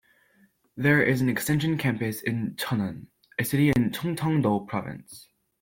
There is an extension campus in Cheonan, a city in South Chungcheong province.